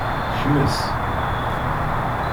Kmes.